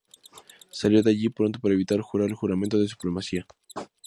Salió de allí pronto para evitar jurar el Juramento de Supremacía.